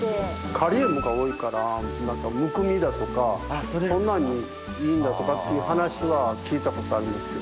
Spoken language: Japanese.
カリウムが多いからむくみだとかそんなんにいいんだとかって話は聞いたことありますけどね。